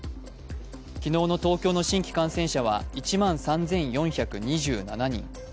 昨日の東京の新規感染者は１万３４２７人。